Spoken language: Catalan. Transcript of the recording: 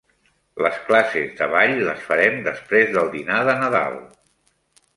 Les classes de ball les farem després del dinar de Nadal.